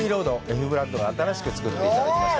Ｆ−ＢＬＯＯＤに新しく作っていただきました。